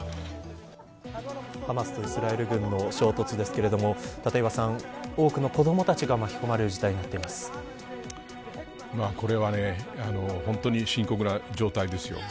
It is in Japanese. ハマスとイスラエル軍の衝突ですけれども立岩さん、多くの子どもたちが巻き込まれる事態にこれは本当に深刻な状態ですよ。